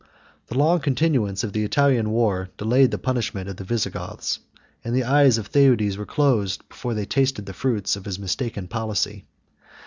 47 The long continuance of the Italian war delayed the punishment of the Visigoths; and the eyes of Theudes were closed before they tasted the fruits of his mistaken policy.